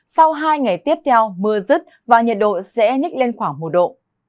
sau hai ngày tiếp theo mưa rứt và nhiệt độ sẽ nhích lên khoảng một độ